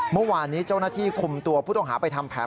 เมื่อวานนี้เจ้าหน้าที่คุมตัวผู้ต้องหาไปทำแผน